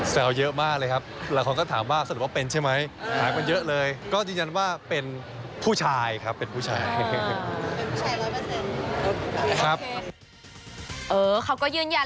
สวัสดีค่ะ